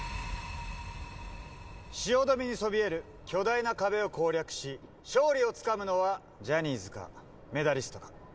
汐留にそびえる巨大な壁を攻略し、勝利をつかむのはジャニーズか、メダリストか。